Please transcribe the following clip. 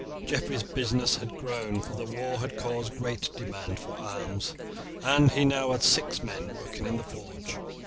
Geoffrey's business had grown, for the war had caused a great demand for arms, and he had now six men working in the forge.